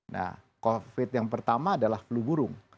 nah covid yang pertama adalah flu burung